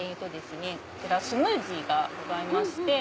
こちらスムージーがございまして。